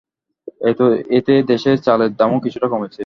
এতে দেশে চালের দামও কিছুটা কমেছে।